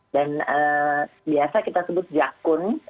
dan biasa kita sebut jakun